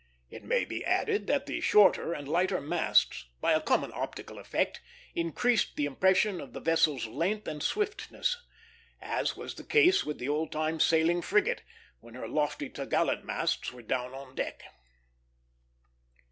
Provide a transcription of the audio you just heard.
It may be added that the shorter and lighter masts, by a common optical effect, increased the impression of the vessel's length and swiftness, as was the case with the old time sailing frigate when her lofty topgallant masts were down on deck.